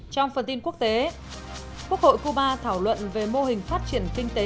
trong phần tin quốc tế quốc hội cuba thảo luận về mô hình phát triển kinh tế